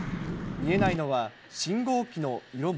見えないのは、信号機の色も。